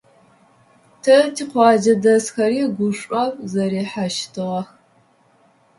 Тэ тикъуаджэ дэсхэри гушӀом зэрихьэщтыгъэх.